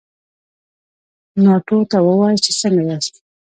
ناټو ته ووایاست چې څنګه ياست؟